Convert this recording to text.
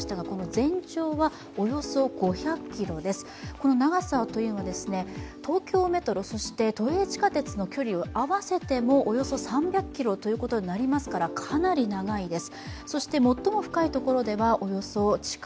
この長さは東京メトロ、都営地下鉄の距離を合わせてもおよそ３００ｋｍということになりますから、かなり長いです。